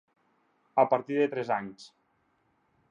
A partir de tres anys.